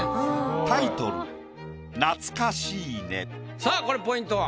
タイトルさあこれポイントは？